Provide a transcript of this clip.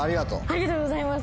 ありがとうございます！